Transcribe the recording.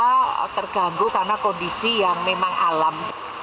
kita terganggu karena kondisi yang memang alam